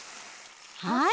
はい。